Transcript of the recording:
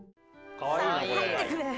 さあ入ってくれ。